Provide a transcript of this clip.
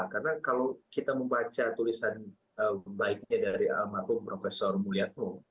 karena kalau kita membaca tulisan baiknya dari almatum prof mulyadmo